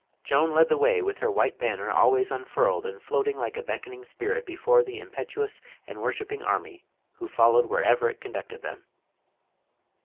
Joan led the way, with her white banner al ways unfurled and floating like a beckoning spirit be fore the impetuous and worshipping army who fol lowed wherever it conducted them.